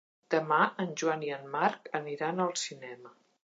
Demà en Joan i en Marc aniran al cinema.